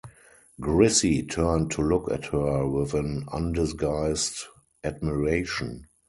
Grissie turned to look at her with an undisguised admiration.